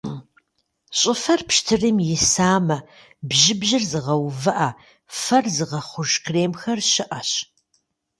Щӏыфэр пщтырым исамэ, бжьыбжьыр зыгъэувыӏэ, фэр зыгъэхъуж кремхэр щыӏэщ.